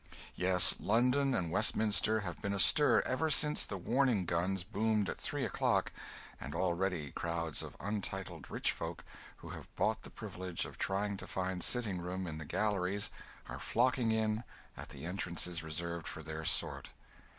Yes, London and Westminster have been astir ever since the warning guns boomed at three o'clock, and already crowds of untitled rich folk who have bought the privilege of trying to find sitting room in the galleries are flocking in at the entrances reserved for their sort.